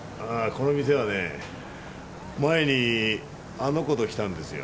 この店はね前にあの子と来たんですよ。